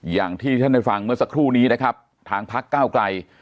อย่างที่ท่านได้ฟังเมื่อสักครู่นี้นะครับทางพักก้าวไกล